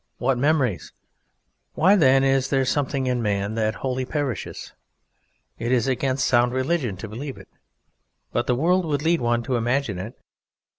What memories! O! Noctes Coenasque Deûm! Why, then, is there something in man that wholly perishes? It is against sound religion to believe it, but the world would lead one to imagine it.